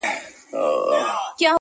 د سترگو توره سـتــا بـلا واخلـمـه.